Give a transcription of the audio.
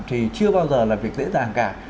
thì chưa bao giờ là việc dễ dàng cả